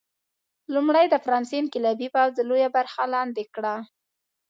لومړی د فرانسې انقلابي پوځ لویه برخه لاندې کړه.